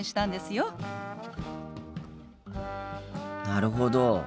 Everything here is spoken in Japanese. なるほど。